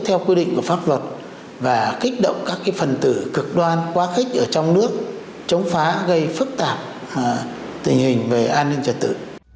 theo quy định của pháp luật và kích động các phần tử cực đoan quá khích ở trong nước chống phá gây phức tạp tình hình về an ninh trật tự